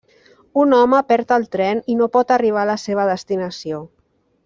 Un home perd el tren i no pot arribar a la seva destinació.